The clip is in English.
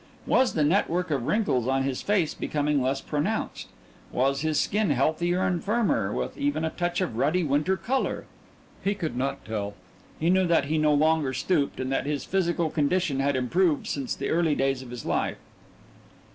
Was the network of wrinkles on his face becoming less pronounced? Was his skin healthier and firmer, with even a touch of ruddy winter colour? He could not tell. He knew that he no longer stooped, and that his physical condition had improved since the early days of his life.